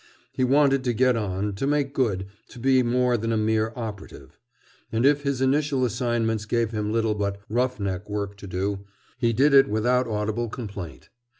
He wanted to get on, to make good, to be more than a mere "operative." And if his initial assignments gave him little but "rough neck" work to do, he did it without audible complaint.